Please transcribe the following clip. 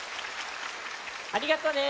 ありがとうね。